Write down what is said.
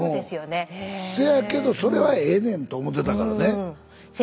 せやけどそれはええねんと思ってたからね。